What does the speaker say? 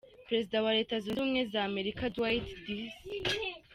Prezida wa Leta zunze ubumwe za Amerika Dwight D.